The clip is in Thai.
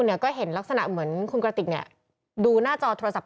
เนี่ยก็เห็นลักษณะเหมือนคุณกระติกเนี่ยดูหน้าจอโทรศัพท์